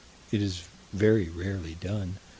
It is very rarely done.